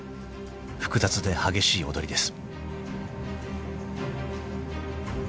［複雑で激しい踊りです］